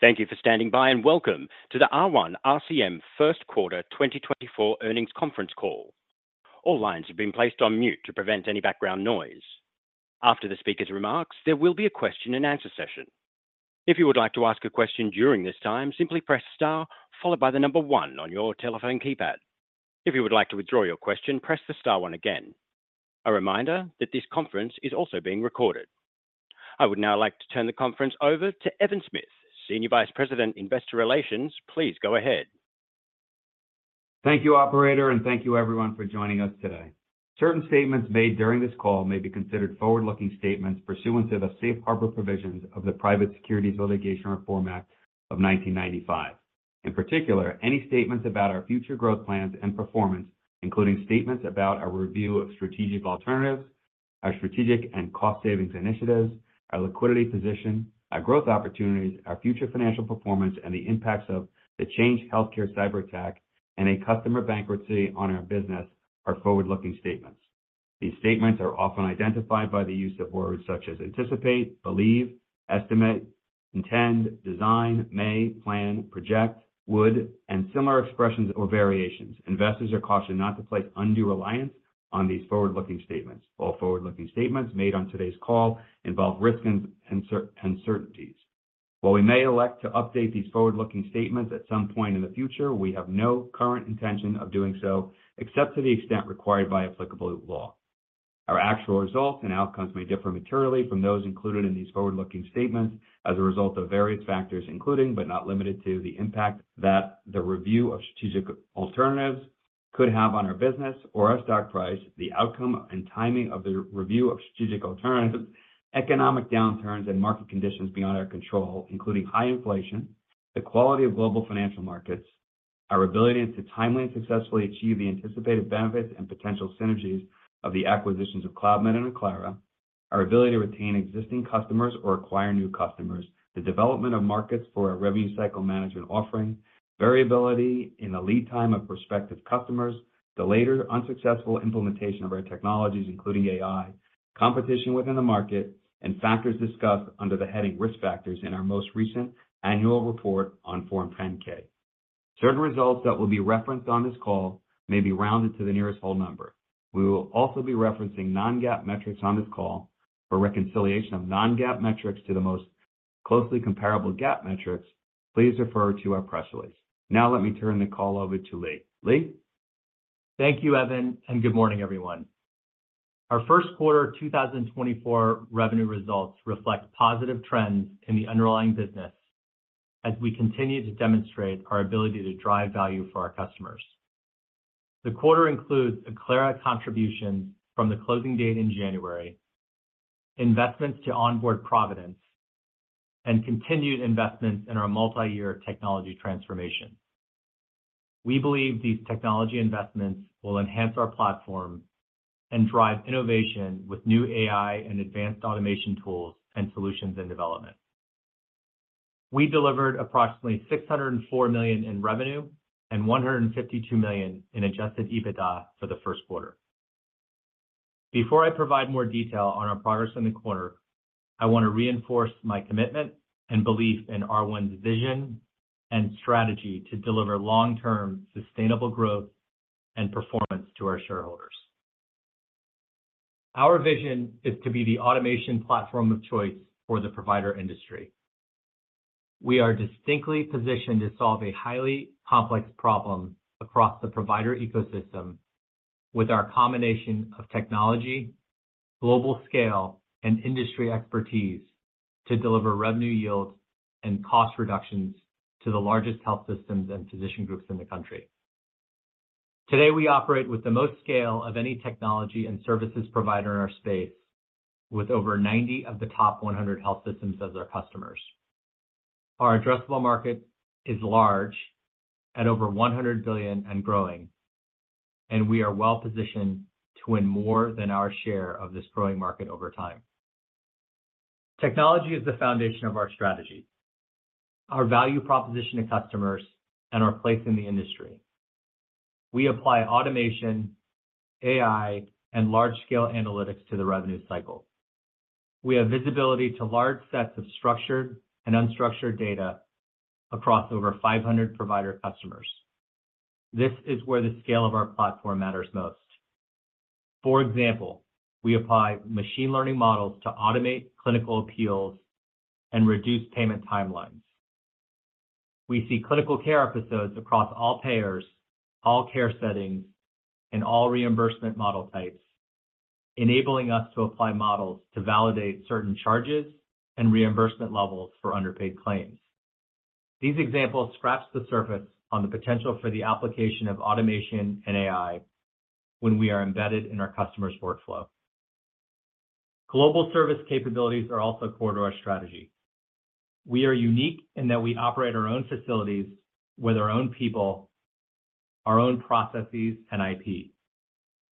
Thank you for standing by, and welcome to the R1 RCM First Quarter 2024 earnings conference call. All lines have been placed on mute to prevent any background noise. After the speaker's remarks, there will be a question-and-answer session. If you would like to ask a question during this time, simply press star followed by the number one on your telephone keypad. If you would like to withdraw your question, press the star one again. A reminder that this conference is also being recorded. I would now like to turn the conference over to Evan Smith, Senior Vice President, Investor Relations. Please go ahead. Thank you, Operator, and thank you everyone for joining us today. Certain statements made during this call may be considered forward-looking statements pursuant to the safe harbor provisions of the Private Securities Litigation Reform Act of 1995. In particular, any statements about our future growth plans and performance, including statements about our review of strategic alternatives, our strategic and cost savings initiatives, our liquidity position, our growth opportunities, our future financial performance, and the impacts of the Change Healthcare cyberattack and a customer bankruptcy on our business are forward-looking statements. These statements are often identified by the use of words such as anticipate, believe, estimate, intend, design, may, plan, project, would, and similar expressions or variations. Investors are cautioned not to place undue reliance on these forward-looking statements. All forward-looking statements made on today's call involve risks and uncertainties. While we may elect to update these forward-looking statements at some point in the future, we have no current intention of doing so, except to the extent required by applicable law. Our actual results and outcomes may differ materially from those included in these forward-looking statements as a result of various factors, including, but not limited to, the impact that the review of strategic alternatives could have on our business or our stock price, the outcome and timing of the review of strategic alternatives, economic downturns and market conditions beyond our control, including high inflation, the quality of global financial markets, our ability to timely and successfully achieve the anticipated benefits and potential synergies of the acquisitions of Cloudmed and Acclara, our ability to retain existing customers or acquire new customers, the development of markets for our revenue cycle management offering, variability in the lead time of prospective customers, the later unsuccessful implementation of our technologies, including AI, competition within the market, and factors discussed under the heading Risk Factors in our most recent annual report on Form 10-K. Certain results that will be referenced on this call may be rounded to the nearest whole number. We will also be referencing Non-GAAP metrics on this call. For reconciliation of Non-GAAP metrics to the most closely comparable GAAP metrics, please refer to our press release. Now let me turn the call over to Lee. Lee? Thank you, Evan, and good morning, everyone. Our first quarter 2024 revenue results reflect positive trends in the underlying business as we continue to demonstrate our ability to drive value for our customers. The quarter includes Acclara contributions from the closing date in January, investments to onboard Providence, and continued investments in our multi-year technology transformation. We believe these technology investments will enhance our platform and drive innovation with new AI and advanced automation tools and solutions and development. We delivered approximately $604 million in revenue and $152 million in adjusted EBITDA for the first quarter. Before I provide more detail on our progress in the quarter, I want to reinforce my commitment and belief in R1's vision and strategy to deliver long-term sustainable growth and performance to our shareholders. Our vision is to be the automation platform of choice for the provider industry. We are distinctly positioned to solve a highly complex problem across the provider ecosystem with our combination of technology, global scale, and industry expertise to deliver revenue yields and cost reductions to the largest health systems and physician groups in the country. Today, we operate with the most scale of any technology and services provider in our space, with over 90 of the top 100 health systems as our customers. Our addressable market is large, at over $100 billion and growing, and we are well-positioned to win more than our share of this growing market over time. Technology is the foundation of our strategy, our value proposition to customers, and our place in the industry. We apply automation, AI, and large-scale analytics to the revenue cycle. We have visibility to large sets of structured and unstructured data across over 500 provider customers. This is where the scale of our platform matters most. For example, we apply machine learning models to automate clinical appeals and reduce payment timelines. We see clinical care episodes across all payers, all care settings, and all reimbursement model types, enabling us to apply models to validate certain charges and reimbursement levels for underpaid claims. These examples scratch the surface on the potential for the application of automation and AI when we are embedded in our customer's workflow. Global service capabilities are also core to our strategy. We are unique in that we operate our own facilities with our own people, our own processes, and IP.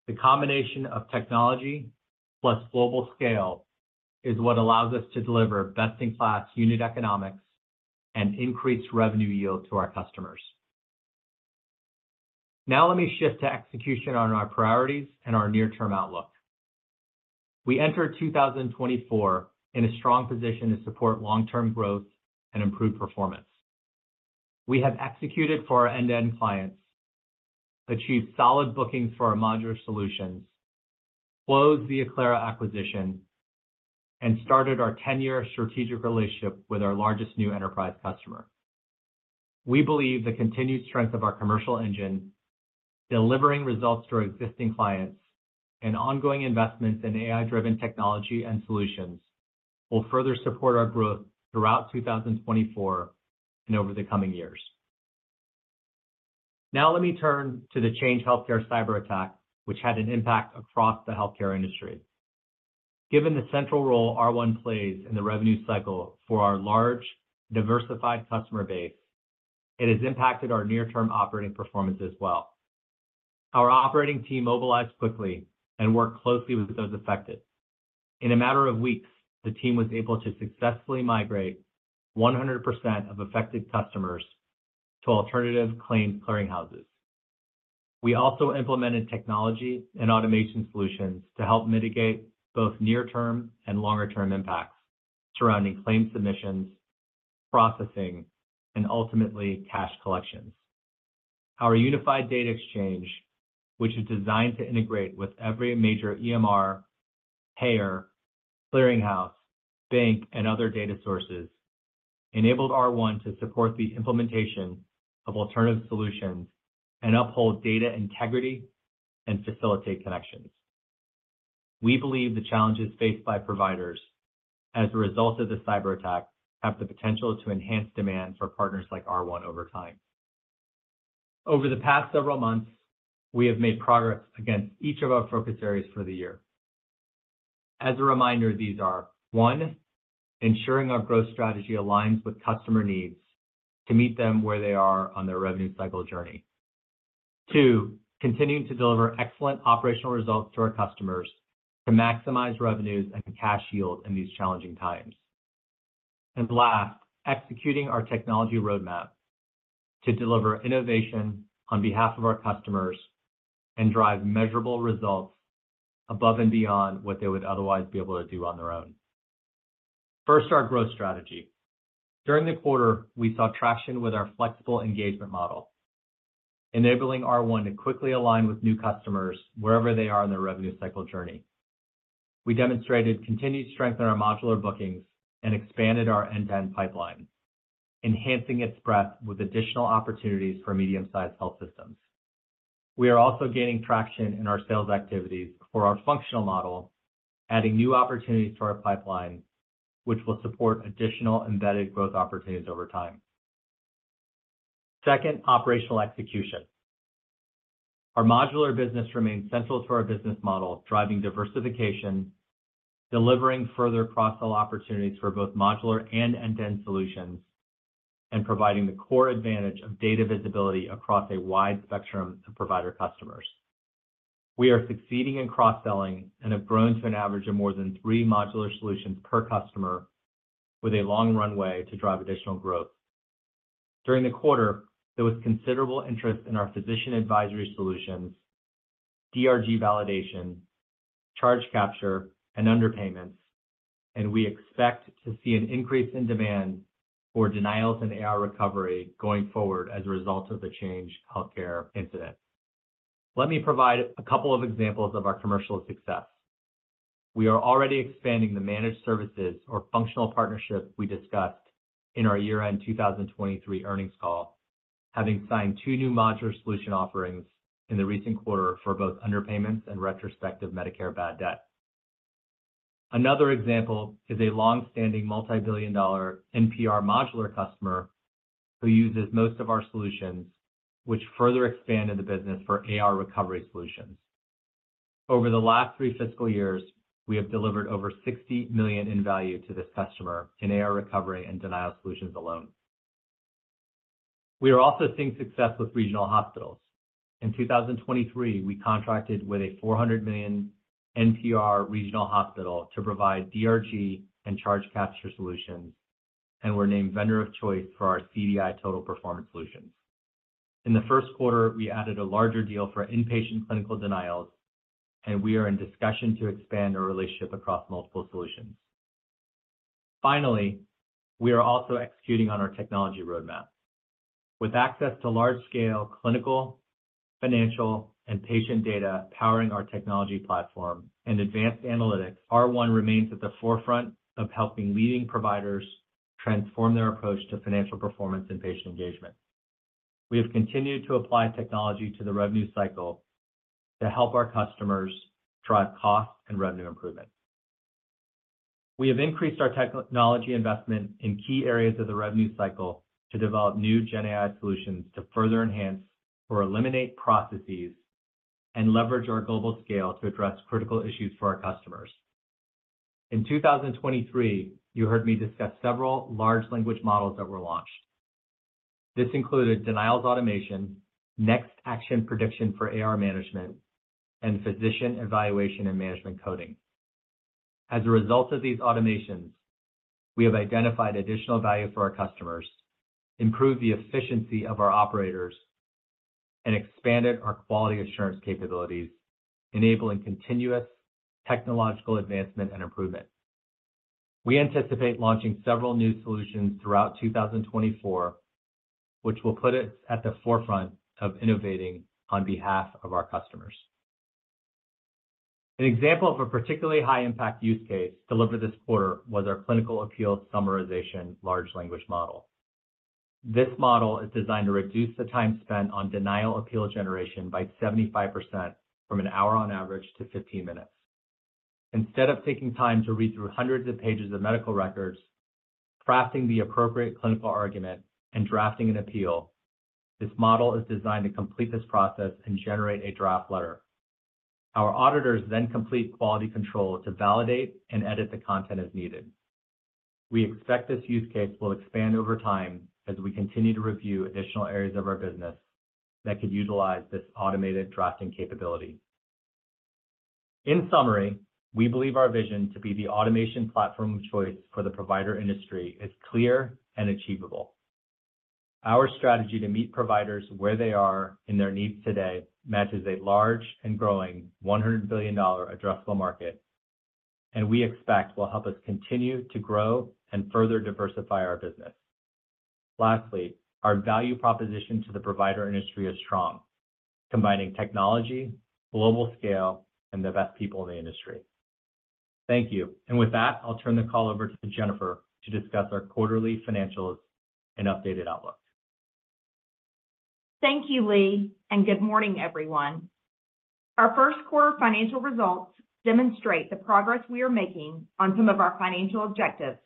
The combination of technology plus global scale is what allows us to deliver best-in-class unit economics and increased revenue yield to our customers. Now let me shift to execution on our priorities and our near-term outlook. We entered 2024 in a strong position to support long-term growth and improve performance. We have executed for our end-to-end clients, achieved solid bookings for our modular solutions, closed the Acclara acquisition, and started our 10-year strategic relationship with our largest new enterprise customer. We believe the continued strength of our commercial engine, delivering results to our existing clients, and ongoing investments in AI-driven technology and solutions will further support our growth throughout 2024 and over the coming years. Now let me turn to the Change Healthcare cyberattack, which had an impact across the healthcare industry. Given the central role R1 plays in the revenue cycle for our large, diversified customer base, it has impacted our near-term operating performance as well. Our operating team mobilized quickly and worked closely with those affected. In a matter of weeks, the team was able to successfully migrate 100% of affected customers to alternative claim clearinghouses. We also implemented technology and automation solutions to help mitigate both near-term and longer-term impacts surrounding claim submissions, processing, and ultimately, cash collections. Our unified data exchange, which is designed to integrate with every major EMR, payer, clearinghouse, bank, and other data sources, enabled R1 to support the implementation of alternative solutions and uphold data integrity and facilitate connections. We believe the challenges faced by providers as a result of the cyberattack have the potential to enhance demand for partners like R1 over time. Over the past several months, we have made progress against each of our focus areas for the year. As a reminder, these are: one, ensuring our growth strategy aligns with customer needs to meet them where they are on their revenue cycle journey. Two, continuing to deliver excellent operational results to our customers to maximize revenues and cash yield in these challenging times. And last, executing our technology roadmap to deliver innovation on behalf of our customers and drive measurable results above and beyond what they would otherwise be able to do on their own. First, our growth strategy. During the quarter, we saw traction with our flexible engagement model, enabling R1 to quickly align with new customers wherever they are in their revenue cycle journey. We demonstrated continued strength in our modular bookings and expanded our end-to-end pipeline, enhancing its breadth with additional opportunities for medium-sized health systems. We are also gaining traction in our sales activities for our functional model, adding new opportunities to our pipeline, which will support additional embedded growth opportunities over time. Second, operational execution. Our modular business remains central to our business model, driving diversification, delivering further cross-sell opportunities for both modular and end-to-end solutions, and providing the core advantage of data visibility across a wide spectrum of provider customers. We are succeeding in cross-selling and have grown to an average of more than three modular solutions per customer, with a long runway to drive additional growth. During the quarter, there was considerable interest in our Physician Advisory Solutions, DRG validation, Charge Capture, and underpayments, and we expect to see an increase in demand for denials and AR recovery going forward as a result of the Change Healthcare incident. Let me provide a couple of examples of our commercial success. We are already expanding the managed services or functional partnership we discussed in our year-end 2023 earnings call, having signed 2 new modular solution offerings in the recent quarter for both underpayments and retrospective Medicare bad debt. Another example is a long-standing multi-billion dollar NPR modular customer who uses most of our solutions, which further expanded the business for AR recovery solutions. Over the last 3 fiscal years, we have delivered over $60 million in value to this customer in AR recovery and denial solutions alone. We are also seeing success with regional hospitals. In 2023, we contracted with a $400 million NPR regional hospital to provide DRG and charge capture solutions, and were named vendor of choice for our CDI Total Performance Solutions. In the first quarter, we added a larger deal for inpatient clinical denials, and we are in discussion to expand our relationship across multiple solutions. Finally, we are also executing on our technology roadmap. With access to large-scale clinical, financial, and patient data powering our technology platform and advanced analytics, R1 remains at the forefront of helping leading providers transform their approach to financial performance and patient engagement. We have continued to apply technology to the revenue cycle to help our customers drive costs and revenue improvement. We have increased our technology investment in key areas of the revenue cycle to develop new GenAI solutions to further enhance or eliminate processes and leverage our global scale to address critical issues for our customers. In 2023, you heard me discuss several large language models that were launched. This included denials automation, next action prediction for AR management, and physician evaluation and management coding. As a result of these automations, we have identified additional value for our customers, improved the efficiency of our operators, and expanded our quality assurance capabilities, enabling continuous technological advancement and improvement. We anticipate launching several new solutions throughout 2024, which will put us at the forefront of innovating on behalf of our customers. An example of a particularly high impact use case delivered this quarter was our clinical appeal summarization large language model. This model is designed to reduce the time spent on denial appeal generation by 75% from an hour on average to 15 minutes. Instead of taking time to read through hundreds of pages of medical records, crafting the appropriate clinical argument, and drafting an appeal, this model is designed to complete this process and generate a draft letter. Our auditors then complete quality control to validate and edit the content as needed. We expect this use case will expand over time as we continue to review additional areas of our business that could utilize this automated drafting capability. In summary, we believe our vision to be the automation platform of choice for the provider industry is clear and achievable. Our strategy to meet providers where they are in their needs today matches a large and growing $100 billion addressable market, and we expect will help us continue to grow and further diversify our business. Lastly, our value proposition to the provider industry is strong, combining technology, global scale, and the best people in the industry. Thank you. With that, I'll turn the call over to Jennifer to discuss our quarterly financials and updated outlook. Thank you, Lee, and good morning, everyone. Our first quarter financial results demonstrate the progress we are making on some of our financial objectives,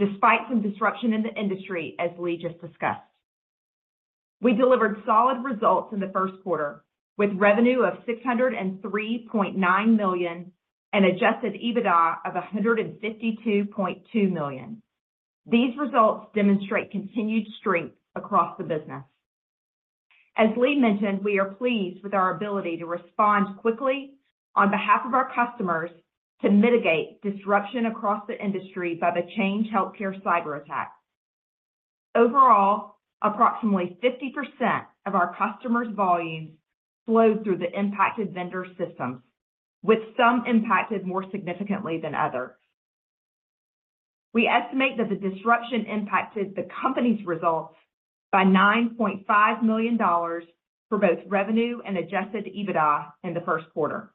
despite some disruption in the industry, as Lee just discussed. We delivered solid results in the first quarter, with revenue of $603.9 million and adjusted EBITDA of $152.2 million. These results demonstrate continued strength across the business. As Lee mentioned, we are pleased with our ability to respond quickly on behalf of our customers to mitigate disruption across the industry by the Change Healthcare cyber attack. Overall, approximately 50% of our customers' volumes flowed through the impacted vendor systems, with some impacted more significantly than others. We estimate that the disruption impacted the company's results by $9.5 million for both revenue and adjusted EBITDA in the first quarter.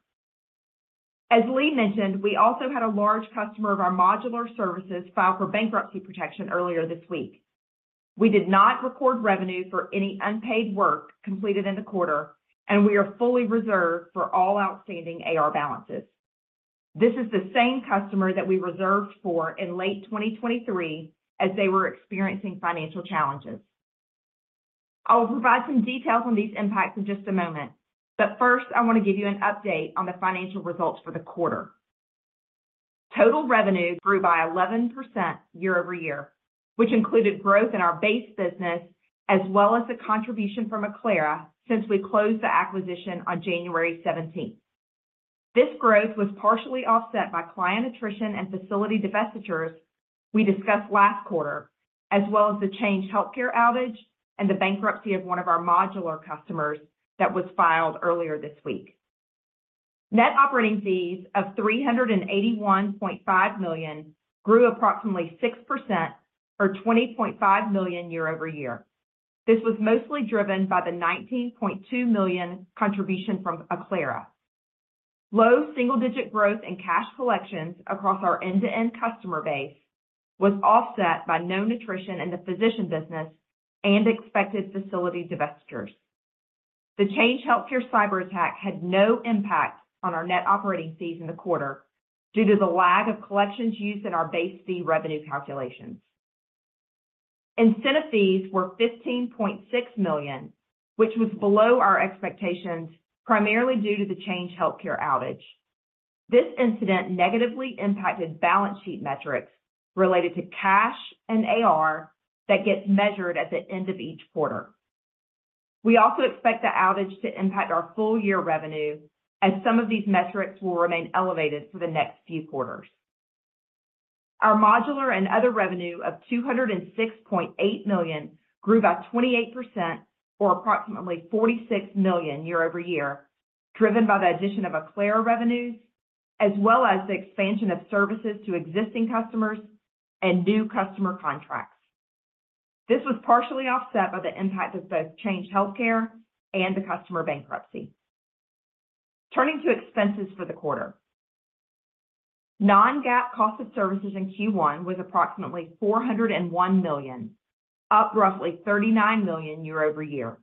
As Lee mentioned, we also had a large customer of our modular services filed for bankruptcy protection earlier this week. We did not record revenue for any unpaid work completed in the quarter, and we are fully reserved for all outstanding AR balances. This is the same customer that we reserved for in late 2023 as they were experiencing financial challenges. I will provide some details on these impacts in just a moment, but first, I want to give you an update on the financial results for the quarter. Total revenue grew by 11% year-over-year, which included growth in our base business, as well as the contribution from Acclara since we closed the acquisition on January 17th. This growth was partially offset by client attrition and facility divestitures we discussed last quarter, as well as the Change Healthcare outage and the bankruptcy of one of our modular customers that was filed earlier this week. Net operating fees of $381.5 million grew approximately 6% or $20.5 million year-over-year. This was mostly driven by the $19.2 million contribution from Acclara. Low single-digit growth in cash collections across our end-to-end customer base was offset by known attrition in the physician business and expected facility divestitures. The Change Healthcare cyber attack had no impact on our net operating fees in the quarter due to the lag of collections used in our base fee revenue calculations. Incentive fees were $15.6 million, which was below our expectations, primarily due to the Change Healthcare outage. This incident negatively impacted balance sheet metrics related to cash and AR that gets measured at the end of each quarter. We also expect the outage to impact our full year revenue, as some of these metrics will remain elevated for the next few quarters. Our modular and other revenue of $206.8 million grew by 28% or approximately $46 million year-over-year, driven by the addition of Acclara revenues, as well as the expansion of services to existing customers and new customer contracts. This was partially offset by the impact of both Change Healthcare and the customer bankruptcy. Turning to expenses for the quarter. Non-GAAP cost of services in Q1 was approximately $401 million, up roughly $39 million year-over-year.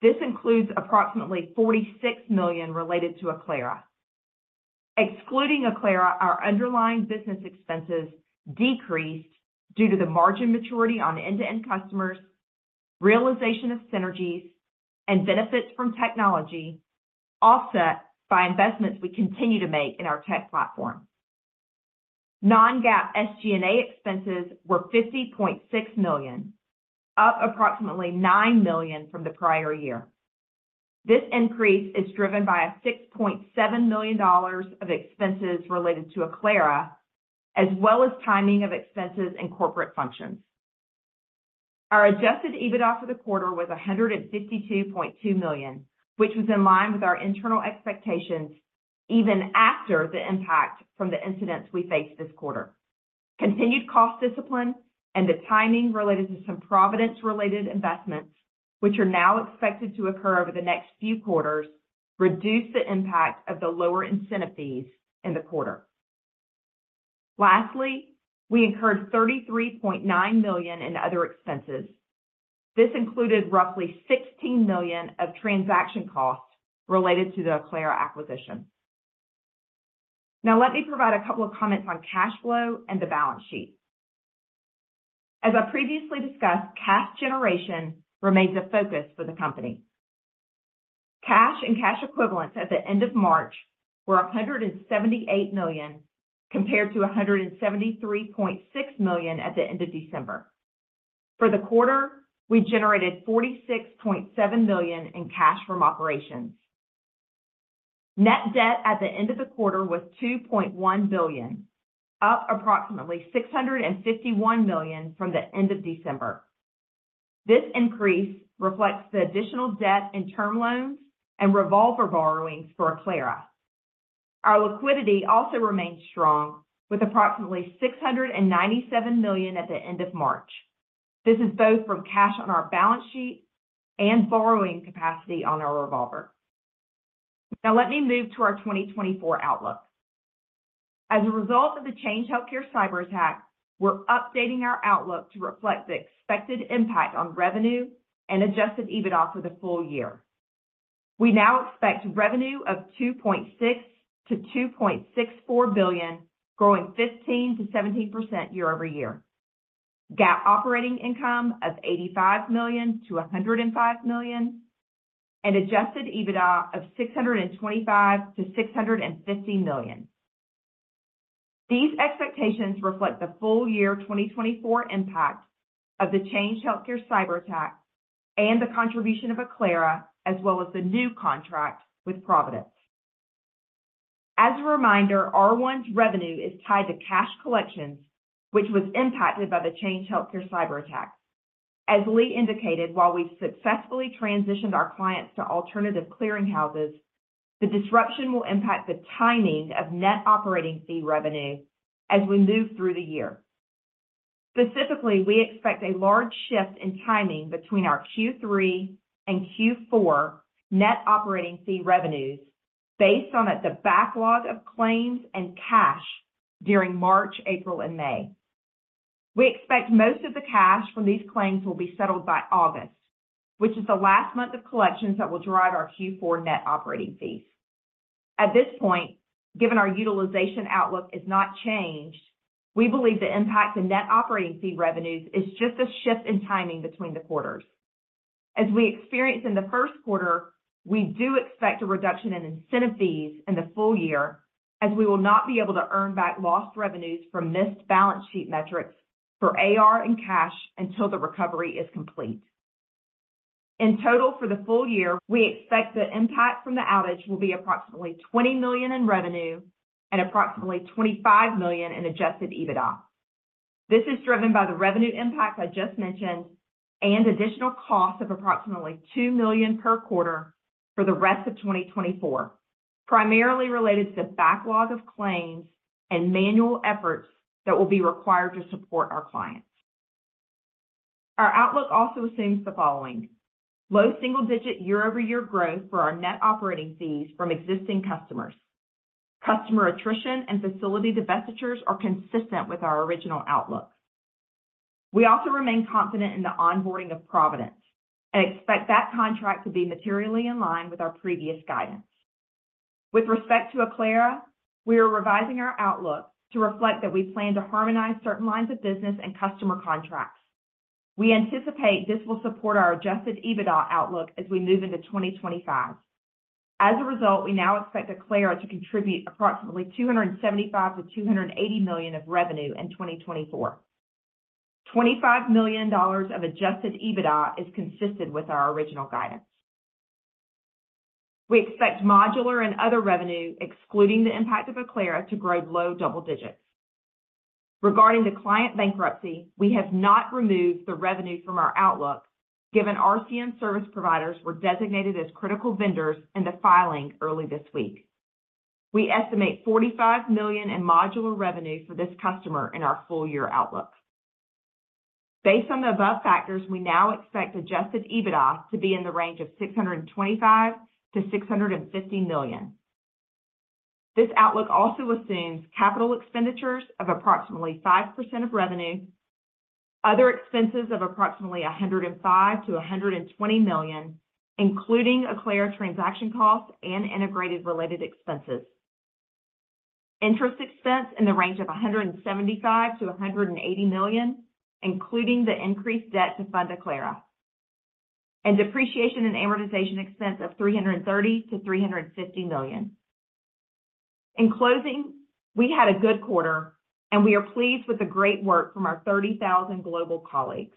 This includes approximately $46 million related to Acclara. Excluding Acclara, our underlying business expenses decreased due to the margin maturity on end-to-end customers, realization of synergies, and benefits from technology, offset by investments we continue to make in our tech platform. Non-GAAP SG&A expenses were $50.6 million, up approximately $9 million from the prior year. This increase is driven by a $6.7 million of expenses related to Acclara, as well as timing of expenses and corporate functions. Our adjusted EBITDA for the quarter was $152.2 million, which was in line with our internal expectations even after the impact from the incidents we faced this quarter. Continued cost discipline and the timing related to some Providence-related investments, which are now expected to occur over the next few quarters, reduced the impact of the lower incentive fees in the quarter. Lastly, we incurred $33.9 million in other expenses. This included roughly $16 million of transaction costs related to the Acclara acquisition. Now, let me provide a couple of comments on cash flow and the balance sheet. As I previously discussed, cash generation remains a focus for the company. Cash and cash equivalents at the end of March were $178 million, compared to $173.6 million at the end of December. For the quarter, we generated $46.7 million in cash from operations. Net debt at the end of the quarter was $2.1 billion, up approximately $651 million from the end of December. This increase reflects the additional debt in term loans and revolver borrowings for Acclara. Our liquidity also remains strong, with approximately $697 million at the end of March. This is both from cash on our balance sheet and borrowing capacity on our revolver. Now let me move to our 2024 outlook. As a result of the Change Healthcare cyber attack, we're updating our outlook to reflect the expected impact on revenue and adjusted EBITDA for the full year. We now expect revenue of $2.6 billion-$2.64 billion, growing 15%-17% year-over-year, GAAP operating income of $85 million-$105 million, and adjusted EBITDA of $625 million-$650 million. These expectations reflect the full year 2024 impact of the Change Healthcare cyber attack and the contribution of Acclara, as well as the new contract with Providence. As a reminder, R1's revenue is tied to cash collections, which was impacted by the Change Healthcare cyber attack. As Lee indicated, while we've successfully transitioned our clients to alternative clearing houses, the disruption will impact the timing of net operating fee revenue as we move through the year. Specifically, we expect a large shift in timing between our Q3 and Q4 net operating fee revenues based on the backlog of claims and cash during March, April, and May. We expect most of the cash from these claims will be settled by August, which is the last month of collections that will drive our Q4 net operating fees. At this point, given our utilization outlook is not changed, we believe the impact to net operating fee revenues is just a shift in timing between the quarters. As we experienced in the first quarter, we do expect a reduction in incentive fees in the full year, as we will not be able to earn back lost revenues from missed balance sheet metrics for AR and cash until the recovery is complete. In total, for the full year, we expect the impact from the outage will be approximately $20 million in revenue and approximately $25 million in adjusted EBITDA. This is driven by the revenue impact I just mentioned and additional costs of approximately $2 million per quarter for the rest of 2024, primarily related to the backlog of claims and manual efforts that will be required to support our clients. Our outlook also assumes the following: low single-digit year-over-year growth for our net operating fees from existing customers. Customer attrition and facility divestitures are consistent with our original outlook. We also remain confident in the onboarding of Providence and expect that contract to be materially in line with our previous guidance. With respect to Acclara, we are revising our outlook to reflect that we plan to harmonize certain lines of business and customer contracts. We anticipate this will support our adjusted EBITDA outlook as we move into 2025. As a result, we now expect Acclara to contribute approximately $275 million-$280 million of revenue in 2024. $25 million of adjusted EBITDA is consistent with our original guidance. We expect modular and other revenue, excluding the impact of Acclara, to grow low double digits. Regarding the client bankruptcy, we have not removed the revenue from our outlook, given R1 service providers were designated as critical vendors in the filing early this week. We estimate $45 million in modular revenue for this customer in our full-year outlook. Based on the above factors, we now expect Adjusted EBITDA to be in the range of $625 million-$650 million. This outlook also assumes capital expenditures of approximately 5% of revenue, other expenses of approximately $105 million-$120 million, including Acclara transaction costs and integrated related expenses. Interest expense in the range of $175 million-$180 million, including the increased debt to fund Acclara, and depreciation and amortization expense of $330 million-$350 million. In closing, we had a good quarter, and we are pleased with the great work from our 30,000 global colleagues.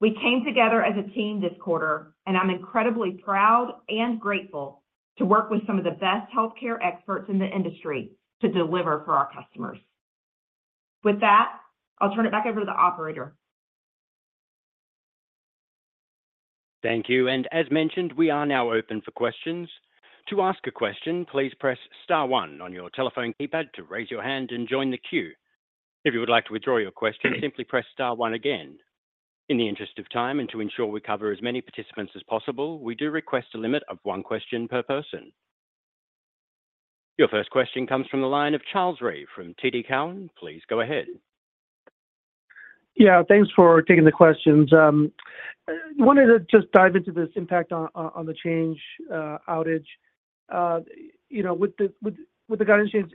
We came together as a team this quarter, and I'm incredibly proud and grateful to work with some of the best healthcare experts in the industry to deliver for our customers. With that, I'll turn it back over to the operator. Thank you. As mentioned, we are now open for questions. To ask a question, please press star one on your telephone keypad to raise your hand and join the queue. If you would like to withdraw your question, simply press star one again. In the interest of time and to ensure we cover as many participants as possible, we do request a limit of one question per person. Your first question comes from the line of Charles Rhyee from TD Cowen. Please go ahead. Yeah, thanks for taking the questions. I wanted to just dive into this impact on the Change Healthcare outage. You know, with the guidance, is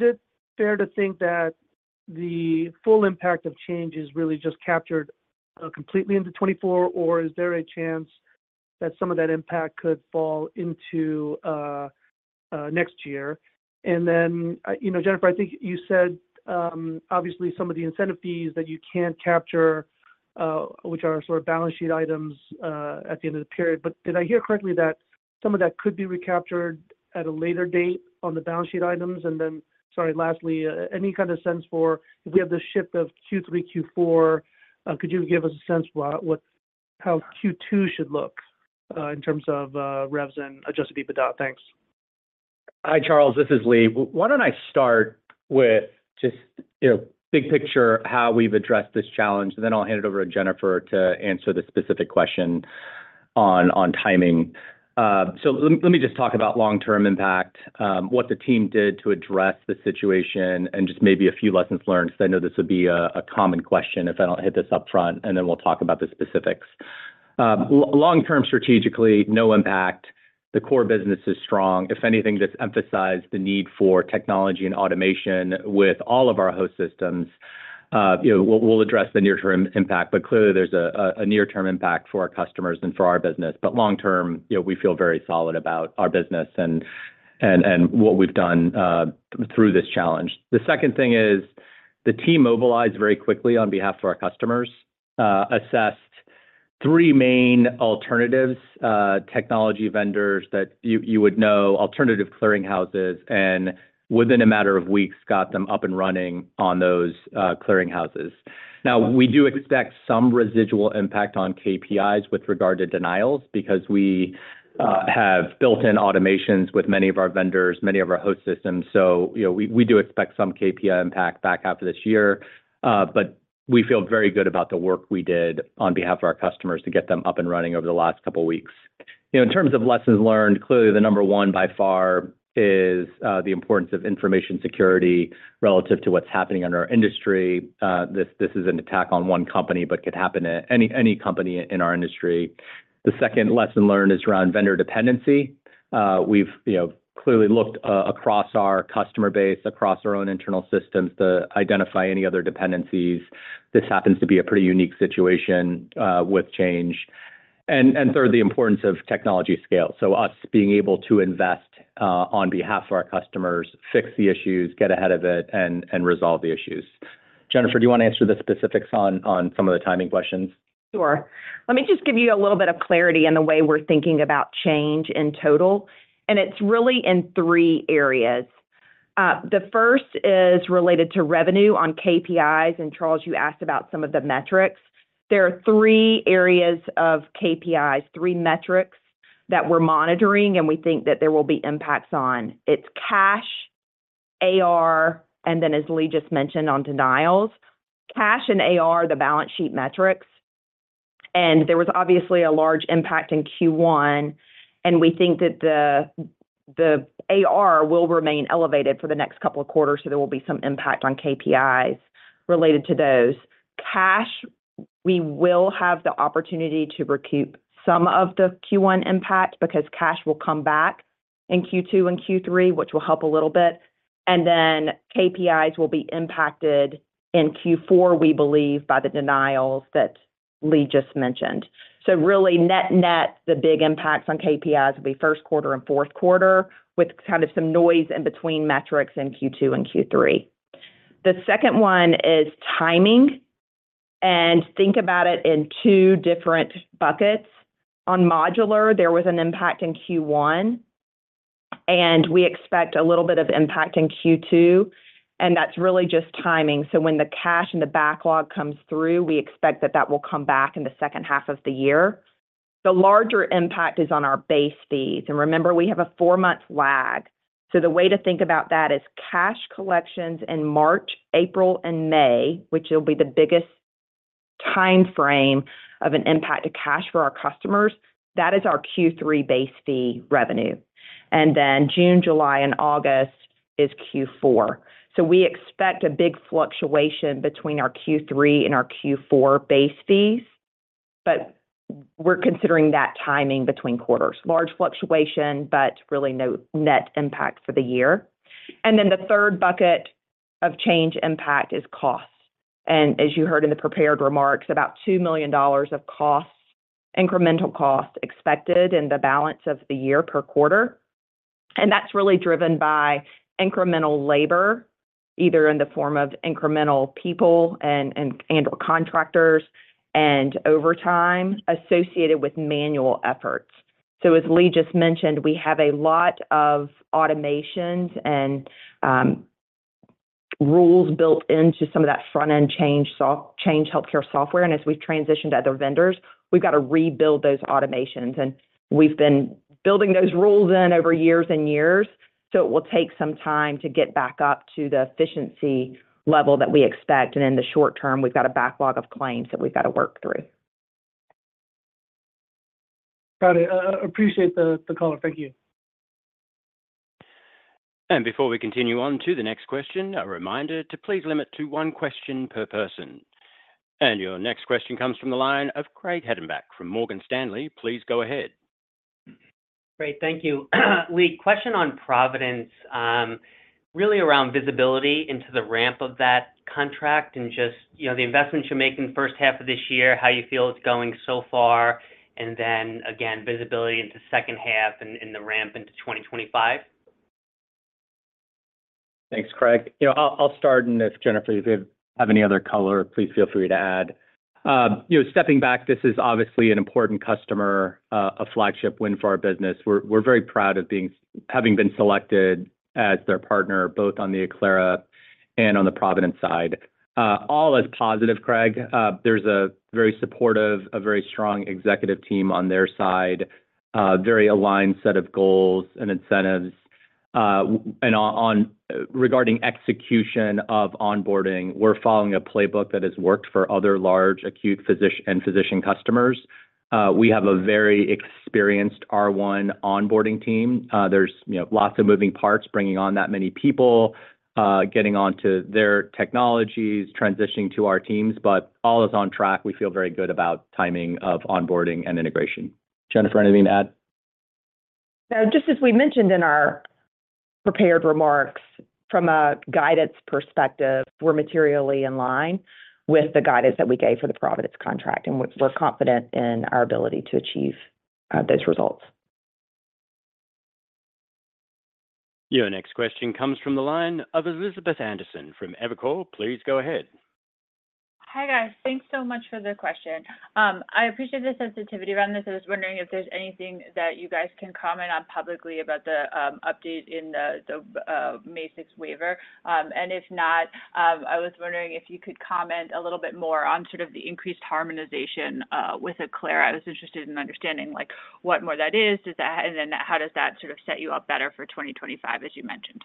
it fair to think that the full impact of Change Healthcare is really just captured completely into 2024? Or is there a chance that some of that impact could fall into next year? And then, you know, Jennifer, I think you said obviously some of the incentive fees that you can't capture, which are sort of balance sheet items at the end of the period. But did I hear correctly that some of that could be recaptured at a later date on the balance sheet items? And then, sorry, lastly, any kind of sense for if we have this shift of Q3, Q4, could you give us a sense what, how Q2 should look, in terms of, revs and adjusted EBITDA? Thanks. Hi, Charles, this is Lee. Why don't I start with just, you know, big picture, how we've addressed this challenge, and then I'll hand it over to Jennifer to answer the specific question on, on timing. So let me, let me just talk about long-term impact, what the team did to address the situation, and just maybe a few lessons learned, because I know this would be a common question if I don't hit this up front, and then we'll talk about the specifics. Long term, strategically, no impact. The core business is strong. If anything, this emphasized the need for technology and automation with all of our host systems. You know, we'll, we'll address the near-term impact, but clearly, there's a near-term impact for our customers and for our business. But long term, you know, we feel very solid about our business and what we've done through this challenge. The second thing is, the team mobilized very quickly on behalf of our customers, assessed three main alternatives, technology vendors that you would know, alternative clearing houses, and within a matter of weeks, got them up and running on those clearing houses. Now, we do expect some residual impact on KPIs with regard to denials because we have built-in automations with many of our vendors, many of our host systems. So you know, we do expect some KPI impact back half of this year, but we feel very good about the work we did on behalf of our customers to get them up and running over the last couple of weeks. You know, in terms of lessons learned, clearly, the number one by far is the importance of information security relative to what's happening in our industry. This is an attack on one company, but could happen to any company in our industry. The second lesson learned is around vendor dependency. We've, you know, clearly looked across our customer base, across our own internal systems to identify any other dependencies. This happens to be a pretty unique situation with Change. And third, the importance of technology scale. So us being able to invest on behalf of our customers, fix the issues, get ahead of it, and resolve the issues. Jennifer, do you want to answer the specifics on some of the timing questions? Sure. Let me just give you a little bit of clarity in the way we're thinking about Change Healthcare in total, and it's really in three areas. The first is related to revenue on KPIs, and Charles, you asked about some of the metrics. There are three areas of KPIs, three metrics that we're monitoring, and we think that there will be impacts on. It's cash, AR, and then, as Lee just mentioned, on denials. Cash and AR, the balance sheet metrics, and there was obviously a large impact in Q1, and we think that the, the AR will remain elevated for the next couple of quarters, so there will be some impact on KPIs related to those. Cash, we will have the opportunity to recoup some of the Q1 impact because cash will come back in Q2 and Q3, which will help a little bit. And then KPIs will be impacted in Q4, we believe, by the denials that Lee just mentioned. So really, net-net, the big impacts on KPIs will be first quarter and fourth quarter, with kind of some noise in between metrics in Q2 and Q3. The second one is timing, and think about it in two different buckets. On modular, there was an impact in Q1, and we expect a little bit of impact in Q2, and that's really just timing. So when the cash and the backlog comes through, we expect that that will come back in the second half of the year. The larger impact is on our base fees, and remember, we have a four-month lag. So the way to think about that is cash collections in March, April, and May, which will be the biggest timeframe of an impact to cash for our customers, that is our Q3 base fee revenue. And then June, July, and August is Q4. So we expect a big fluctuation between our Q3 and our Q4 base fees, but we're considering that timing between quarters. Large fluctuation, but really no net impact for the year. And then the third bucket of Change impact is costs. And as you heard in the prepared remarks, about $2 million of costs - incremental costs expected in the balance of the year per quarter, and that's really driven by incremental labor, either in the form of incremental people and/or contractors and overtime associated with manual efforts. So as Lee just mentioned, we have a lot of automations and rules built into some of that front-end Change Healthcare software, and as we've transitioned to other vendors, we've got to rebuild those automations. We've been building those rules in over years and years, so it will take some time to get back up to the efficiency level that we expect. In the short term, we've got a backlog of claims that we've got to work through. Got it. Appreciate the color. Thank you. Before we continue on to the next question, a reminder to please limit to one question per person. Your next question comes from the line of Craig Hettenbach from Morgan Stanley. Please go ahead. Great. Thank you. Lee, question on Providence, really around visibility into the ramp of that contract and just, you know, the investments you're making the first half of this year, how you feel it's going so far, and then again, visibility into second half and the ramp into 2025? Thanks, Craig. You know, I'll start on this, Jennifer. If you have any other color, please feel free to add. You know, stepping back, this is obviously an important customer, a flagship win for our business. We're very proud of having been selected as their partner, both on the Acclara and on the Providence side. All is positive, Craig. There's a very supportive, a very strong executive team on their side, very aligned set of goals and incentives. And on regarding execution of onboarding, we're following a playbook that has worked for other large acute physician and physician customers. We have a very experienced R1 onboarding team. There's, you know, lots of moving parts, bringing on that many people, getting onto their technologies, transitioning to our teams, but all is on track. We feel very good about timing of onboarding and integration. Jennifer, anything to add? Just as we mentioned in our prepared remarks, from a guidance perspective, we're materially in line with the guidance that we gave for the Providence contract, and we're confident in our ability to achieve those results. Your next question comes from the line of Elizabeth Anderson from Evercore. Please go ahead. Hi, guys. Thanks so much for the question. I appreciate the sensitivity around this. I was wondering if there's anything that you guys can comment on publicly about the update in the May 6 waiver. And if not, I was wondering if you could comment a little bit more on sort of the increased harmonization with Acclara. I was interested in understanding, like, what more that is, does that... And then how does that sort of set you up better for 2025, as you mentioned?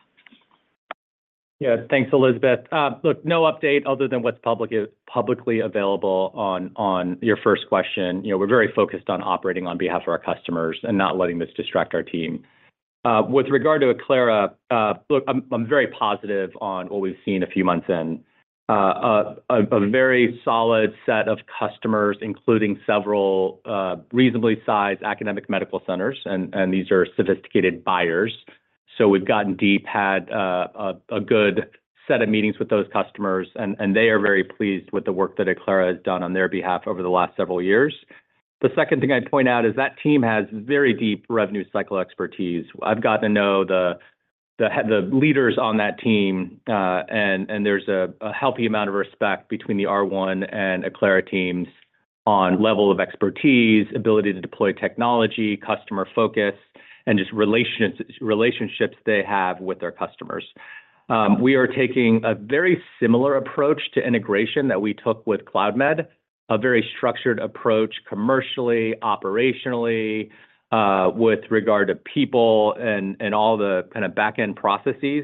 Yeah. Thanks, Elizabeth. Look, no update other than what's publicly available on your first question. You know, we're very focused on operating on behalf of our customers and not letting this distract our team. With regard to Acclara, look, I'm very positive on what we've seen a few months in. A very solid set of customers, including several reasonably sized academic medical centers, and these are sophisticated buyers. So we've gotten deep, had a good set of meetings with those customers, and they are very pleased with the work that Acclara has done on their behalf over the last several years. The second thing I'd point out is that team has very deep revenue cycle expertise. I've gotten to know the leaders on that team, and there's a healthy amount of respect between the R1 and Acclara teams on level of expertise, ability to deploy technology, customer focus, and just relations, relationships they have with their customers. We are taking a very similar approach to integration that we took with Cloudmed, a very structured approach, commercially, operationally, with regard to people and all the kind of back-end processes.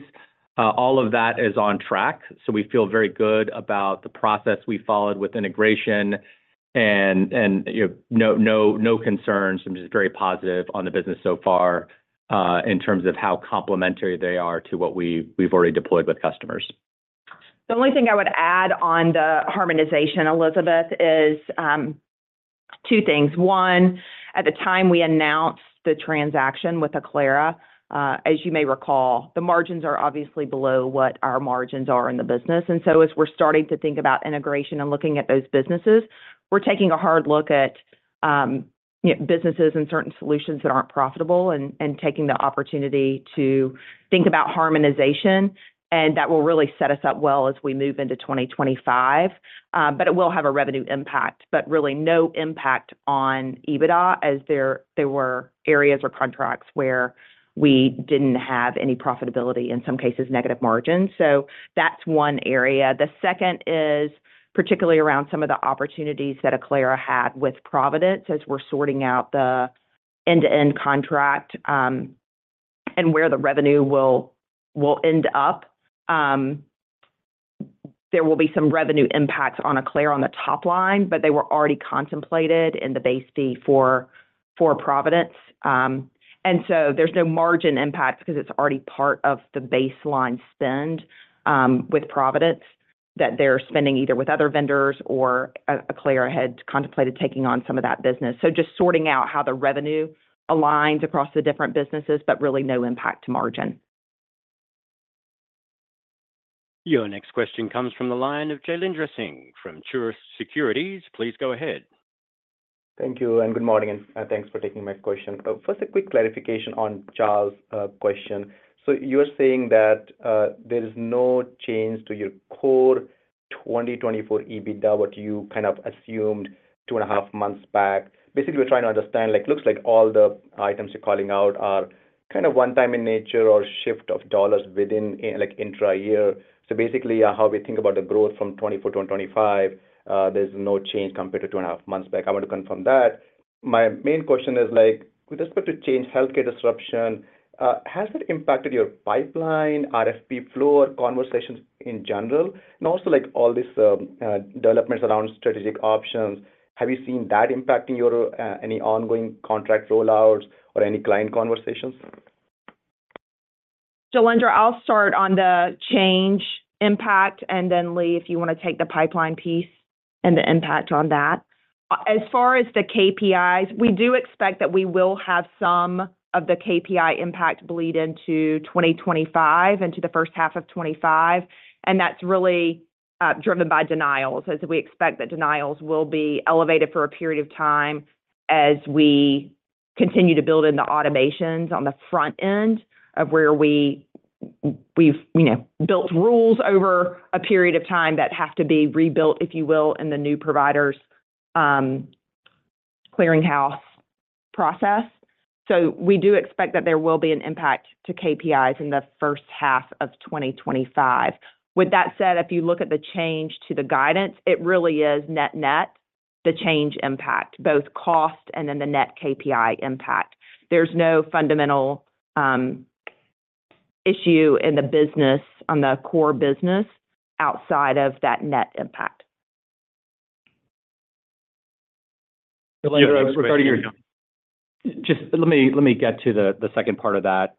All of that is on track, so we feel very good about the process we followed with integration and, you know, no, no, no concerns. I'm just very positive on the business so far, in terms of how complementary they are to what we've already deployed with customers. The only thing I would add on the harmonization, Elizabeth, is two things. One, at the time we announced the transaction with Acclara, as you may recall, the margins are obviously below what our margins are in the business. And so as we're starting to think about integration and looking at those businesses, we're taking a hard look at, you know, businesses and certain solutions that aren't profitable and taking the opportunity to think about harmonization, and that will really set us up well as we move into 2025. But it will have a revenue impact, but really no impact on EBITDA, as there were areas or contracts where we didn't have any profitability, in some cases, negative margins. So that's one area. The second is particularly around some of the opportunities that Acclara had with Providence as we're sorting out the end-to-end contract, and where the revenue will end up. There will be some revenue impacts on Acclara on the top line, but they were already contemplated in the base fee for Providence. And so there's no margin impact because it's already part of the baseline spend with Providence, that they're spending either with other vendors or Acclara had contemplated taking on some of that business. So just sorting out how the revenue aligns across the different businesses, but really no impact to margin. Your next question comes from the line of Jailendra Singh from Truist Securities. Please go ahead. Thank you, and good morning, and thanks for taking my question. First, a quick clarification on Charles's question. So you're saying that there is no change to your core 2024 EBITDA, what you kind of assumed 2.5 months back? Basically, we're trying to understand, like, looks like all the items you're calling out are kind of one-time in nature or shift of dollars within, like intra-year. So basically, how we think about the growth from 2024 to 2025, there's no change compared to 2.5 months back. I want to confirm that. My main question is like, with respect to Change Healthcare disruption, has it impacted your pipeline, RFP flow, or conversations in general? Also, like all these developments around strategic options, have you seen that impacting your any ongoing contract rollouts or any client conversations? Jailendra, I'll start on the change impact, and then, Lee, if you want to take the pipeline piece and the impact on that. As far as the KPIs, we do expect that we will have some of the KPI impact bleed into 2025, into the first half of 2025, and that's really driven by denials, as we expect that denials will be elevated for a period of time as we continue to build in the automations on the front end of where we've, you know, built rules over a period of time that have to be rebuilt, if you will, in the new providers' clearinghouse process. So we do expect that there will be an impact to KPIs in the first half of 2025. With that said, if you look at the change to the guidance, it really is net net the change impact, both cost and then the net KPI impact. There's no fundamental issue in the business, on the core business, outside of that net impact. Just let me get to the second part of that.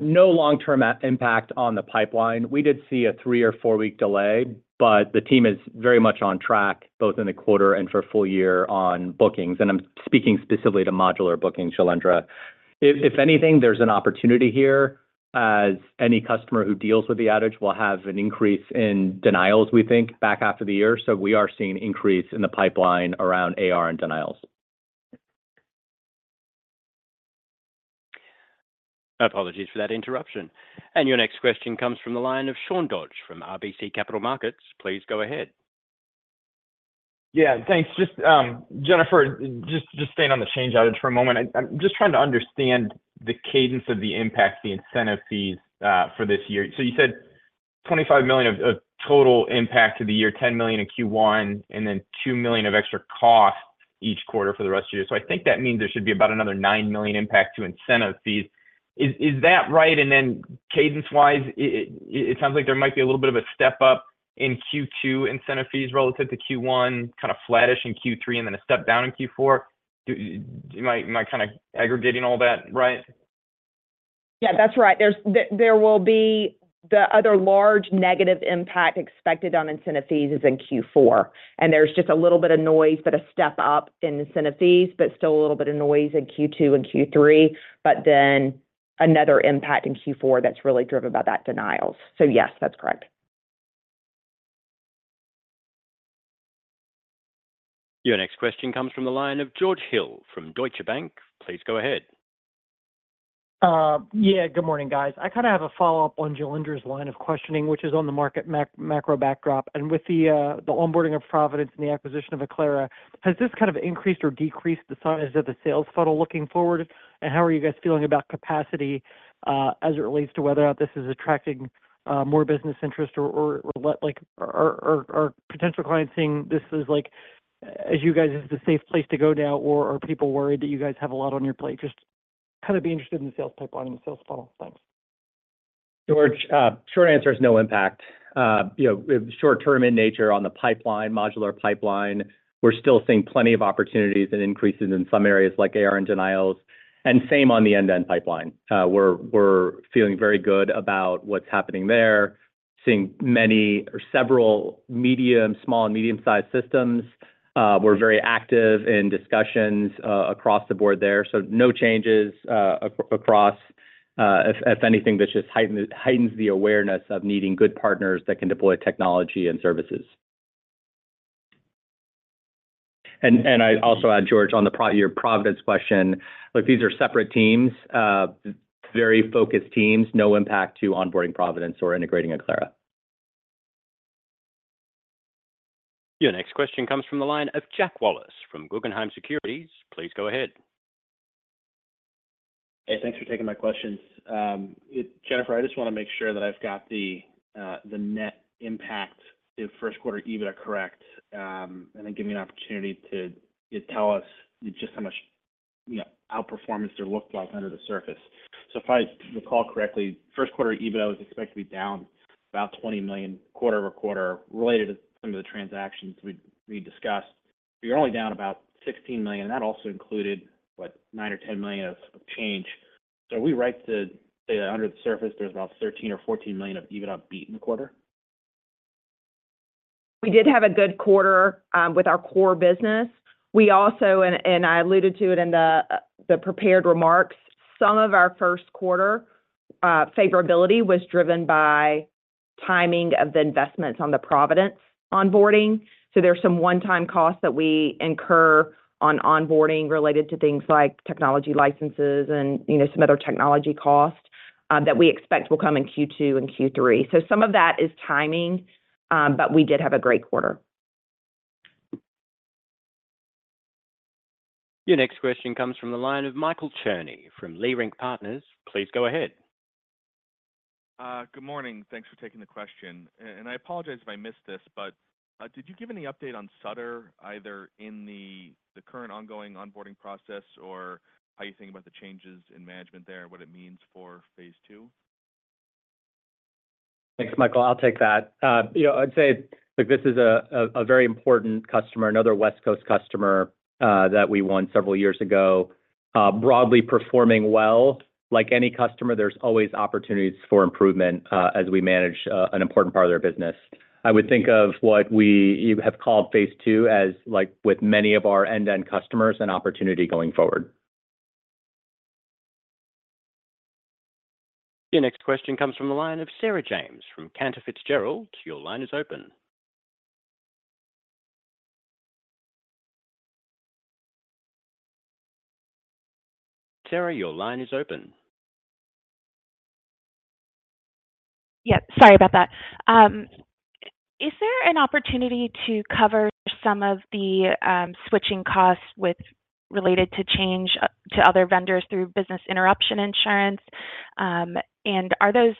No long-term impact on the pipeline. We did see a 3- or 4-week delay, but the team is very much on track, both in the quarter and for full year on bookings, and I'm speaking specifically to modular bookings, Jailendra. If anything, there's an opportunity here, as any customer who deals with the outage will have an increase in denials, we think, back half of the year. So we are seeing an increase in the pipeline around AR and denials. Apologies for that interruption. Your next question comes from the line of Sean Dodge from RBC Capital Markets. Please go ahead. Yeah, thanks. Just, Jennifer, just staying on the change outage for a moment. I'm just trying to understand the cadence of the impact, the incentive fees, for this year. So you said $25 million of total impact to the year, $10 million in Q1, and then $2 million of extra costs each quarter for the rest of the year. So I think that means there should be about another $9 million impact to incentive fees. Is that right? And then cadence-wise, it sounds like there might be a little bit of a step-up in Q2 incentive fees relative to Q1, kind of flattish in Q3, and then a step down in Q4. Am I kind of aggregating all that right? Yeah, that's right. There will be the other large negative impact expected on incentive fees is in Q4, and there's just a little bit of noise, but a step up in incentive fees, but still a little bit of noise in Q2 and Q3, but then another impact in Q4 that's really driven by that denials. So yes, that's correct. Your next question comes from the line of George Hill from Deutsche Bank. Please go ahead. Yeah, good morning, guys. I kind of have a follow-up on Jailendra's line of questioning, which is on the market macro backdrop. And with the onboarding of Providence and the acquisition of Acclara, has this kind of increased or decreased the size of the sales funnel looking forward? And how are you guys feeling about capacity as it relates to whether or not this is attracting more business interest or what, like, are potential clients seeing this as like, as you guys is the safe place to go now, or are people worried that you guys have a lot on your plate? Just kind of be interested in the sales pipeline and the sales funnel. Thanks. George, short answer is no impact. You know, short term in nature on the pipeline, modular pipeline, we're still seeing plenty of opportunities and increases in some areas like AR and denials, and same on the end-to-end pipeline. We're feeling very good about what's happening there. Seeing many or several medium, small and medium-sized systems. We're very active in discussions across the board there, so no changes across. If anything, this just heightens the awareness of needing good partners that can deploy technology and services. And I'd also add, George, on your Providence question, look, these are separate teams, very focused teams. No impact to onboarding Providence or integrating Acclara. Your next question comes from the line of Jack Wallace from Guggenheim Securities. Please go ahead. Hey, thanks for taking my questions. Jennifer, I just want to make sure that I've got the net impact of first quarter EBITDA correct, and then give me an opportunity to tell us just how much, you know, outperformance there looked like under the surface. So if I recall correctly, first quarter EBITDA was expected to be down about $20 million quarter-over-quarter related to some of the transactions we discussed, but you're only down about $16 million. That also included, what, $9 million or $10 million of Change. So are we right to say that under the surface there's about $13 million or $14 million of EBITDA beaten the quarter? We did have a good quarter with our core business. We also alluded to it in the prepared remarks. Some of our first quarter favorability was driven by timing of the investments on the Providence onboarding. So there are some one-time costs that we incur on onboarding related to things like technology licenses and, you know, some other technology costs that we expect will come in Q2 and Q3. So some of that is timing, but we did have a great quarter. Your next question comes from the line of Michael Cherny from Leerink Partners. Please go ahead. Good morning. Thanks for taking the question. And I apologize if I missed this, but did you give any update on Sutter, either in the current ongoing onboarding process or how you think about the changes in management there, what it means for phase two? Thanks, Michael. I'll take that. You know, I'd say, look, this is a very important customer, another West Coast customer, that we won several years ago, broadly performing well. Like any customer, there's always opportunities for improvement, as we manage an important part of their business. I would think of what we- you have called phase two as, like with many of our end-to-end customers, an opportunity going forward. Your next question comes from the line of Sarah James from Cantor Fitzgerald. Your line is open. Sarah, your line is open. Yeah, sorry about that. Is there an opportunity to cover some of the switching costs with related to change to other vendors through business interruption insurance? And are those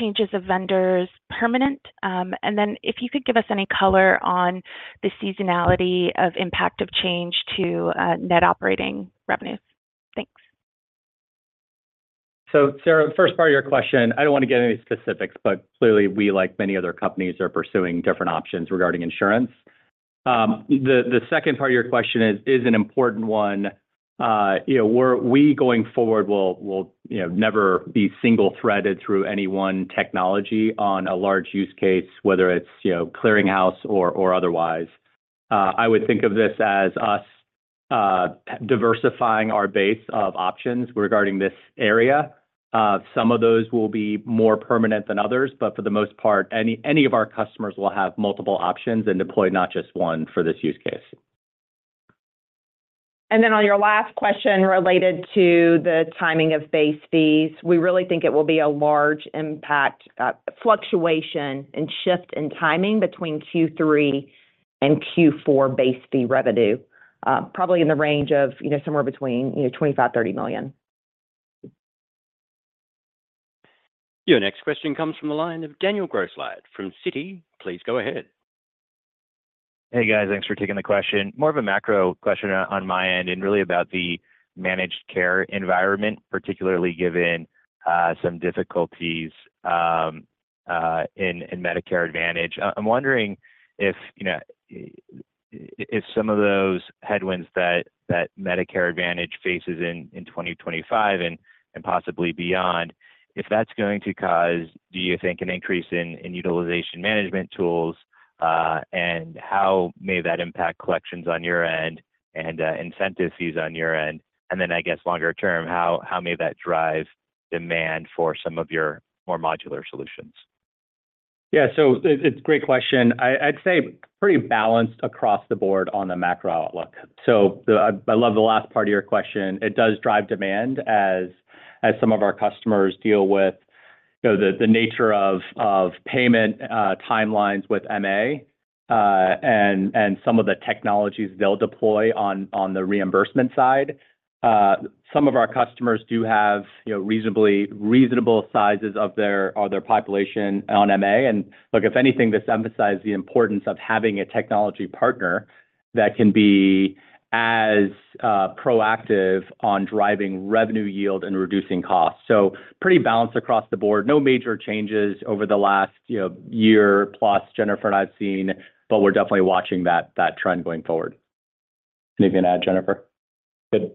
changes of vendors permanent? And then if you could give us any color on the seasonality of impact of change to net operating revenues. Thanks. So, Sarah, the first part of your question, I don't want to get into any specifics, but clearly we, like many other companies, are pursuing different options regarding insurance. The second part of your question is an important one. You know, we're going forward will you know never be single-threaded through any one technology on a large use case, whether it's you know clearinghouse or otherwise. I would think of this as us diversifying our base of options regarding this area. Some of those will be more permanent than others, but for the most part, any of our customers will have multiple options and deploy not just one for this use case. And then on your last question related to the timing of base fees, we really think it will be a large impact, fluctuation and shift in timing between Q3 and Q4 base fee revenue, probably in the range of, you know, somewhere between, you know, $25 million-$30 million. Your next question comes from the line of Daniel Grosslight from Citi. Please go ahead. Hey, guys. Thanks for taking the question. More of a macro question on my end, and really about the managed care environment, particularly given some difficulties in Medicare Advantage. I'm wondering if, you know, if some of those headwinds that Medicare Advantage faces in 2025 and possibly beyond, if that's going to cause, do you think, an increase in utilization management tools, and how may that impact collections on your end and incentive fees on your end? And then, I guess, longer term, how may that drive demand for some of your more modular solutions? Yeah. So it's a great question. I'd say pretty balanced across the board on the macro outlook. So I love the last part of your question. It does drive demand as some of our customers deal with, you know, the nature of payment timelines with MA, and some of the technologies they'll deploy on the reimbursement side. Some of our customers do have, you know, reasonably reasonable sizes of their population on MA. And look, if anything, this emphasizes the importance of having a technology partner that can be as proactive on driving revenue yield and reducing costs. So pretty balanced across the board. No major changes over the last, you know, year plus, Jennifer and I have seen, but we're definitely watching that trend going forward. Anything to add, Jennifer? Good.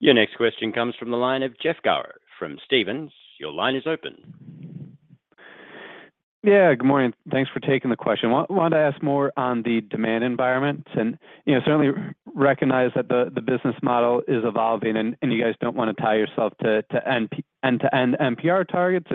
Your next question comes from the line of Jeff Garro from Stephens. Your line is open. Yeah, good morning. Thanks for taking the question. Want to ask more on the demand environment, and, you know, certainly recognize that the business model is evolving and you guys don't want to tie yourself to end-to-end NPR targets,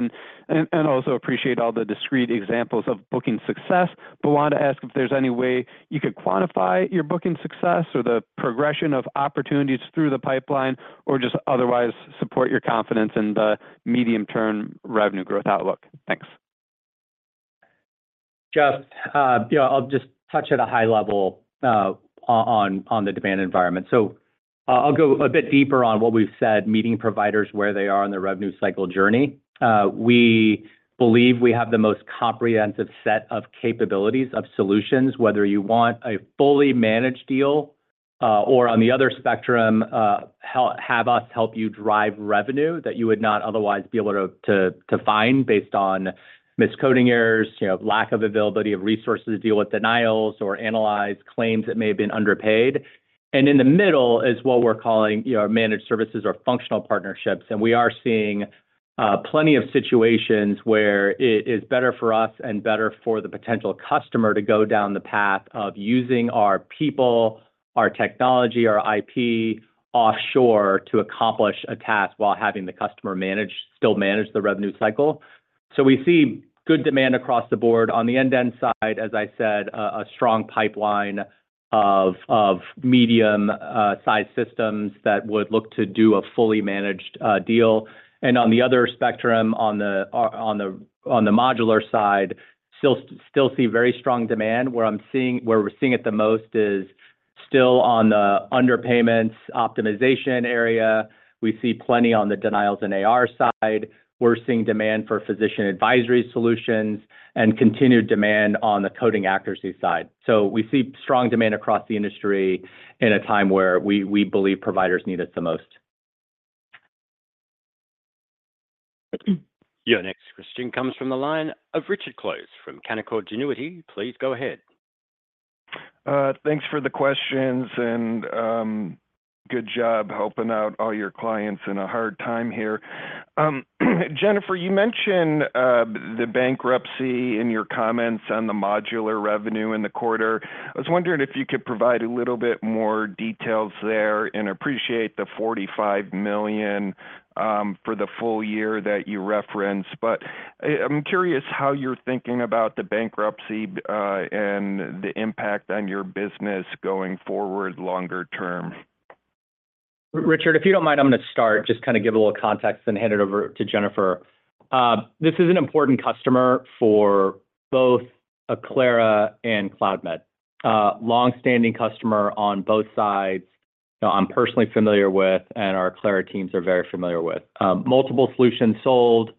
and also appreciate all the discrete examples of booking success. But wanted to ask if there's any way you could quantify your booking success or the progression of opportunities through the pipeline, or just otherwise support your confidence in the medium-term revenue growth outlook. Thanks. Jeff, you know, I'll just touch at a high level on the demand environment. So I'll go a bit deeper on what we've said, meeting providers where they are on their revenue cycle journey. We believe we have the most comprehensive set of capabilities of solutions, whether you want a fully managed deal, or on the other spectrum, have us help you drive revenue that you would not otherwise be able to find based on miscoding errors, you know, lack of availability of resources to deal with denials, or analyze claims that may have been underpaid. And in the middle is what we're calling, you know, our managed services or functional partnerships. And we are seeing plenty of situations where it is better for us and better for the potential customer to go down the path of using our people, our technology, our IP offshore to accomplish a task while having the customer manage, still manage the revenue cycle. So we see good demand across the board. On the end-to-end side, as I said, a strong pipeline of medium-size systems that would look to do a fully managed deal. And on the other spectrum, on the modular side, still see very strong demand. Where we're seeing it the most is still on the underpayments optimization area. We see plenty on the denials and AR side. We're seeing demand for Physician Advisory Solutions and continued demand on the coding accuracy side. So we see strong demand across the industry in a time where we believe providers need us the most. Your next question comes from the line of Richard Close from Canaccord Genuity. Please go ahead. Thanks for the questions, and, good job helping out all your clients in a hard time here. Jennifer, you mentioned the bankruptcy in your comments on the modular revenue in the quarter. I was wondering if you could provide a little bit more details there, and appreciate the $45 million for the full year that you referenced. But I, I'm curious how you're thinking about the bankruptcy and the impact on your business going forward longer term. Richard, if you don't mind, I'm gonna start, just kind of give a little context, then hand it over to Jennifer. This is an important customer for both Acclara and Cloudmed. Longstanding customer on both sides, I'm personally familiar with, and our Acclara teams are very familiar with. Multiple solutions sold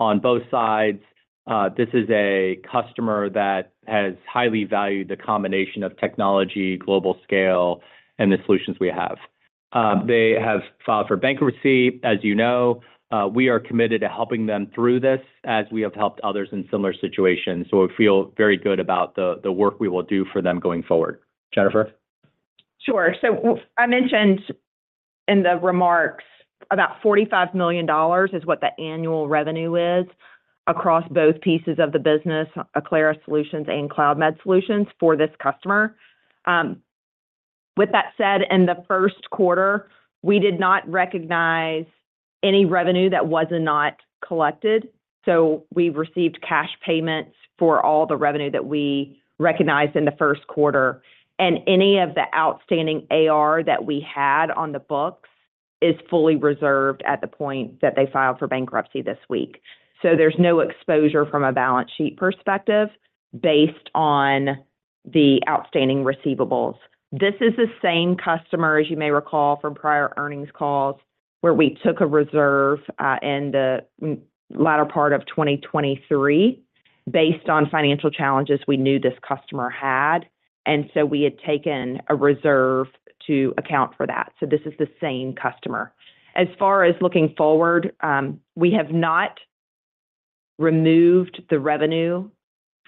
on both sides. This is a customer that has highly valued the combination of technology, global scale, and the solutions we have. They have filed for bankruptcy, as you know. We are committed to helping them through this, as we have helped others in similar situations, so we feel very good about the, the work we will do for them going forward. Jennifer? Sure. So I mentioned in the remarks about $45 million is what the annual revenue is across both pieces of the business, Acclara Solutions and Cloudmed Solutions, for this customer. With that said, in the first quarter, we did not recognize any revenue that was not collected, so we received cash payments for all the revenue that we recognized in the first quarter. Any of the outstanding AR that we had on the books is fully reserved at the point that they filed for bankruptcy this week. So there's no exposure from a balance sheet perspective based on the outstanding receivables. This is the same customer, as you may recall from prior earnings calls, where we took a reserve in the latter part of 2023 based on financial challenges we knew this customer had, and so we had taken a reserve to account for that. So this is the same customer. As far as looking forward, we have not removed the revenue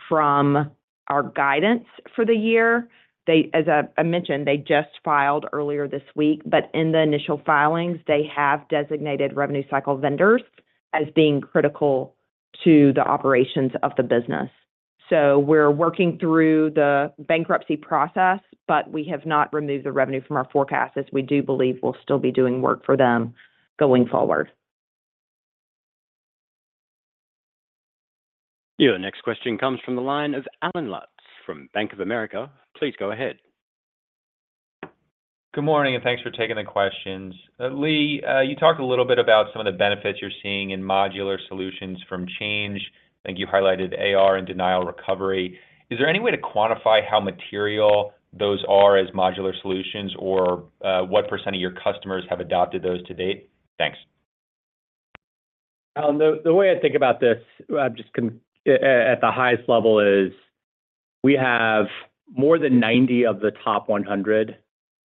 from our guidance for the year. They, as I mentioned, they just filed earlier this week, but in the initial filings, they have designated revenue cycle vendors as being critical to the operations of the business. So we're working through the bankruptcy process, but we have not removed the revenue from our forecast, as we do believe we'll still be doing work for them going forward. Your next question comes from the line of Allen Lutz from Bank of America. Please go ahead. Good morning, and thanks for taking the questions. Lee, you talked a little bit about some of the benefits you're seeing in modular solutions from Change Healthcare. I think you highlighted AR and denial recovery. Is there any way to quantify how material those are as modular solutions, or, what percent of your customers have adopted those to date? Thanks. Allen, the way I think about this, at the highest level is, we have more than 90 of the top 100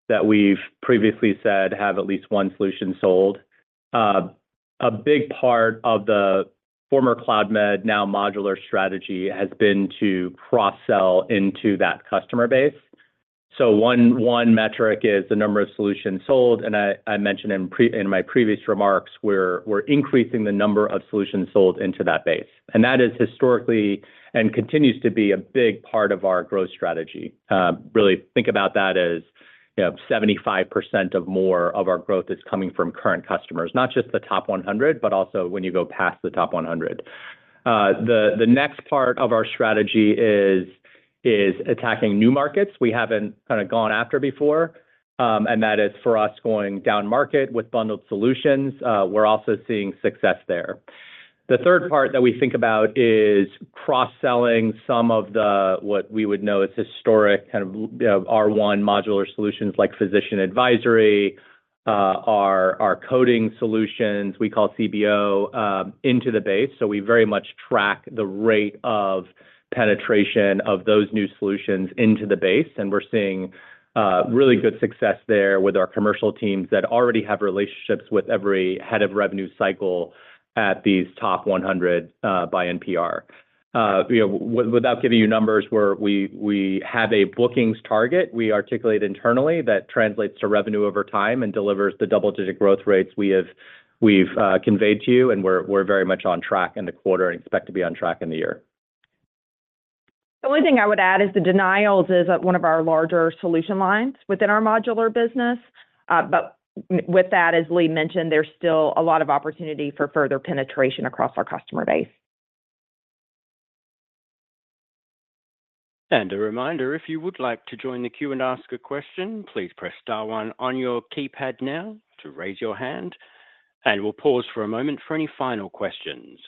that we've previously said have at least one solution sold. A big part of the former Cloudmed, now modular strategy, has been to cross-sell into that customer base. So one metric is the number of solutions sold, and I mentioned in my previous remarks, we're increasing the number of solutions sold into that base. And that is historically, and continues to be, a big part of our growth strategy. Really think about that as, you know, 75% or more of our growth is coming from current customers, not just the top 100, but also when you go past the top 100. The next part of our strategy is attacking new markets we haven't kind of gone after before, and that is for us, going down market with bundled solutions. We're also seeing success there. The third part that we think about is cross-selling some of the, what we would know as historic, kind of, R1 modular solutions, like physician advisory, our coding solutions we call CBO, into the base. So we very much track the rate of penetration of those new solutions into the base, and we're seeing really good success there with our commercial teams that already have relationships with every head of revenue cycle at these top 100, by NPR. You know, without giving you numbers, we have a bookings target we articulate internally that translates to revenue over time and delivers the double-digit growth rates we've conveyed to you, and we're very much on track in the quarter and expect to be on track in the year. The only thing I would add is the denials is at one of our larger solution lines within our modular business. But with that, as Lee mentioned, there's still a lot of opportunity for further penetration across our customer base. A reminder, if you would like to join the queue and ask a question, please press star one on your keypad now to raise your hand, and we'll pause for a moment for any final questions.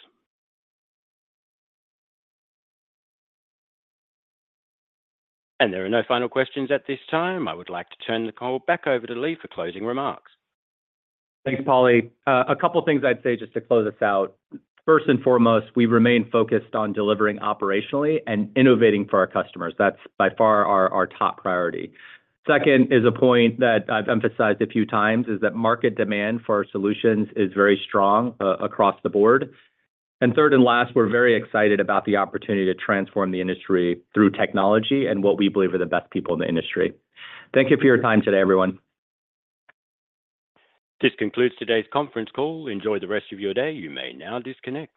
There are no final questions at this time. I would like to turn the call back over to Lee for closing remarks. Thanks, Paulie. A couple of things I'd say just to close us out. First and foremost, we remain focused on delivering operationally and innovating for our customers. That's by far our top priority. Second, is a point that I've emphasized a few times, is that market demand for our solutions is very strong across the board. And third and last, we're very excited about the opportunity to transform the industry through technology and what we believe are the best people in the industry. Thank you for your time today, everyone. This concludes today's conference call. Enjoy the rest of your day. You may now disconnect.